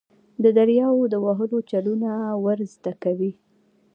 د دریاوو د وهلو چلونه ور زده کوي.